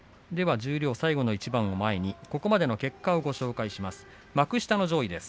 十両最後の一番を前にここまでの結果をご紹介します。、幕下の上位です。